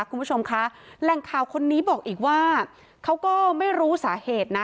คุณผู้ชมคะแหล่งข่าวคนนี้บอกอีกว่าเขาก็ไม่รู้สาเหตุนะ